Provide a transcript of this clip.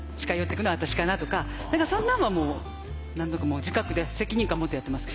何かそんなんはもう何となく自覚で責任感持ってやってます。